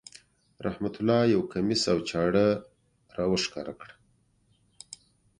رحمت الله یو کمیس او چاړه را وښکاره کړه.